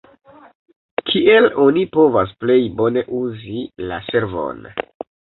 Kiel oni povas plej bone uzi la servon?